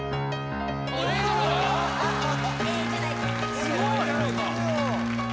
すごい！